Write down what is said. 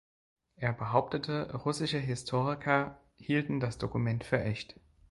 Er behauptete, russische Historiker hielten das Dokument für echt.